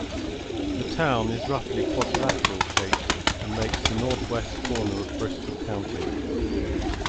The town is roughly quadrilateral-shaped, and makes the northwest corner of Bristol County.